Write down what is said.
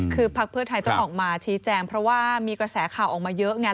คือพักเพื่อไทยต้องออกมาชี้แจงเพราะว่ามีกระแสข่าวออกมาเยอะไง